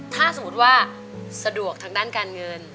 ถ้าสมมุติว่าสะดวกทางด้านการเงิน